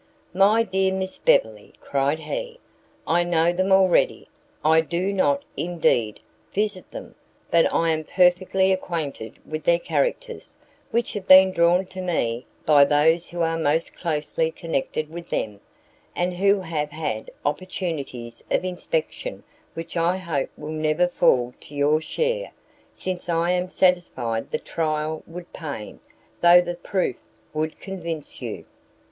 "My dear Miss Beverley," cried he, "I know them already; I do not, indeed, visit them, but I am perfectly acquainted with their characters, which have been drawn to me by those who are most closely connected with them, and who have had opportunities of inspection which I hope will never fall to your share, since I am satisfied the trial would pain, though the proof would convince you."